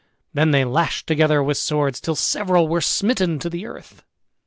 Then they lashed together with swords till several were smitten to the earth.